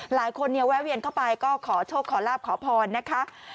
หลายคนเนี่ยแวะเวียนเข้าไปก็ขอโชคขอลาบขอพรนะคะ